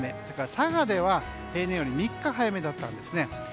それから佐賀では平年より３日早めだったんですね。